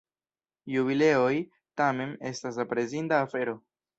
Jubileoj, tamen, estas aprezinda afero.